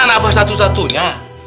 lu kenan abah satu satu nya